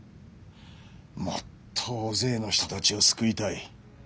もっと大勢の人たちを救いたい。